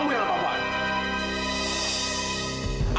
kamu yang gak apa apa